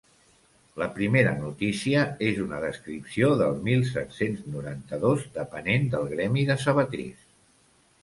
La primera notícia és una descripció del mil set-cents noranta-dos, depenent del gremi de sabaters.